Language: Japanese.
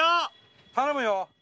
頼むよ。